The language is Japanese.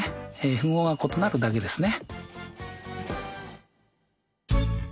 符号が異なるだけですね。